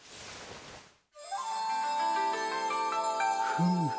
フム。